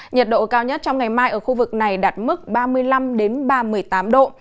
nhiệt độ cao nhất trong ngày mai ở khu vực này đạt mức ba mươi năm ba mươi tám độ